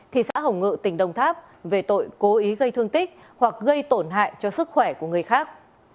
thị xã hồng ngự tỉnh đồng tháp về tội cố ý gây thương tích hoặc gây tổn hại cho sức khỏe của người khác